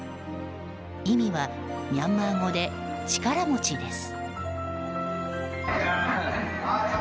意味はミャンマー語で「力持ち」です。